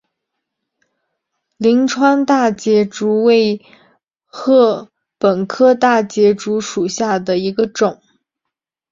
灵川大节竹为禾本科大节竹属下的一个种。